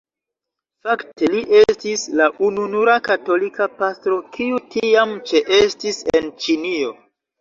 Fakte li estis la ununura katolika pastro kiu tiam ĉeestis en Ĉinio.